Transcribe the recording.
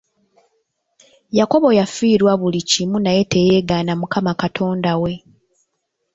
Yakobo yafiirwa buli kimu naye teyeegaana Mukama Katonda we.